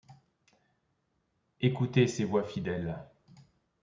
Écoutez ces voix fidèles